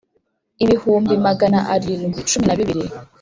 ibihumbi magana arindwi cumi na bibiri